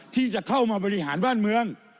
ที่จะเข้ามาบริหารบ้านเมือง